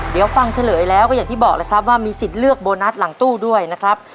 เดี๋ยวฟังเฉลยแล้วก็อย่างที่บอกเลยครับว่ามีสิทธิ์เลือกโบนัสหลังตู้ด้วยนะครับ